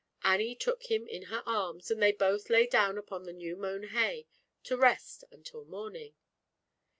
Annie took him in her arms, and they both lay down upon the new mown hay, to rest until morning.